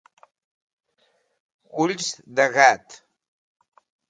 Ulls de gat.